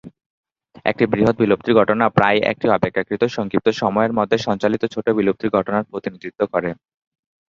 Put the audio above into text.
একটি বৃহৎ বিলুপ্তির ঘটনা প্রায়ই একটি অপেক্ষাকৃত সংক্ষিপ্ত সময়ের মধ্যে সঞ্চালিত ছোট বিলুপ্তির ঘটনার প্রতিনিধিত্ব করে।